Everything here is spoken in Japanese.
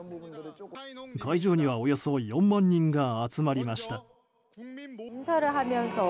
会場にはおよそ４万人が集まりました。